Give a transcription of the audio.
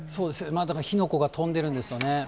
だから火の粉が飛んでいるんですよね。